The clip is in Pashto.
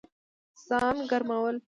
ځان ګرمول